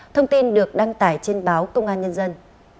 thông tin được đăng tải trên báo công an nhân dân